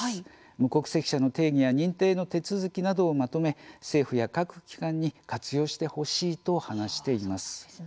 無国籍者の定義や認定の手続きなどをまとめ政府や各機関に活用してほしいと話しています。